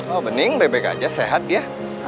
oh bening baik baik aja sehat ya